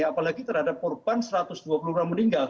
apalagi terhadap korban satu ratus dua puluh orang meninggal